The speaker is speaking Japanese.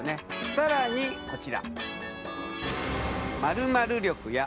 更にこちら。